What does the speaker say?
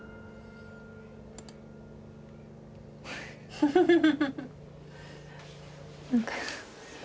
フフフフ。